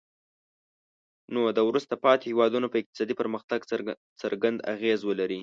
نو د وروسته پاتې هیوادونو په اقتصادي پرمختګ به څرګند اغیز ولري.